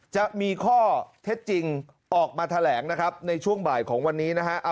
จะมีข้อเท็จจริงออกมาแถลงนะครับในช่วงบ่ายของวันนี้นะฮะ